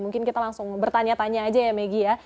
mungkin kita langsung bertanya tanya aja ya maggie ya